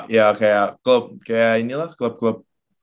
ya kayak club kayak inilah club club